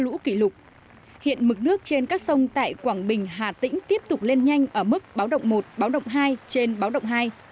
lũ kỷ lục hiện mực nước trên các sông tại quảng bình hà tĩnh tiếp tục lên nhanh ở mức báo động một báo động hai trên báo động hai